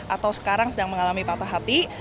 atau sekarang sedang mengalami patah hati